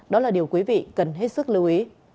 đó là điều quý vị cần hết sức lưu ý